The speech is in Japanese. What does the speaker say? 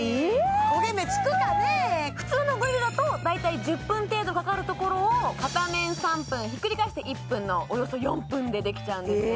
はい普通のグリルだと大体１０分程度かかるところを片面３分ひっくり返して１分のおよそ４分でできちゃうんですね